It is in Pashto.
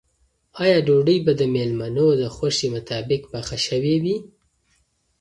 آیا ډوډۍ به د مېلمنو د خوښې مطابق پخه شوې وي؟